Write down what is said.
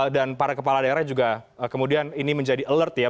dan para kepala daerah juga kemudian ini menjadi alert ya